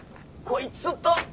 こいつと。